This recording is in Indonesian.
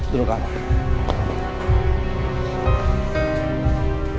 turun ke atas